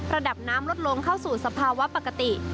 ระดับน้ำลดลงเข้าสู่สภาวะปกติ